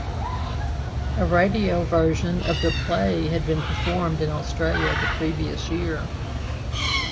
A radio version of the play had been performed in Australia the previous year.